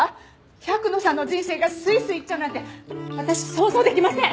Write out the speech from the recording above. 百野さんの人生がすいすいいっちゃうなんて私想像できません！